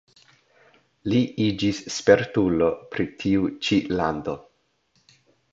Li iĝis spertulo pri tiu ĉi lando.